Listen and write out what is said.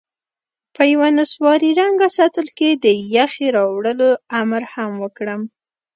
په یوه نسواري رنګه سطل کې د یخې راوړلو امر هم وکړم.